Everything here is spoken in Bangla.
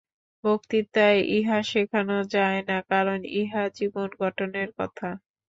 বক্তৃতায় ইহা শেখানো যায় না, কারণ ইহা জীবন-গঠনের কথা।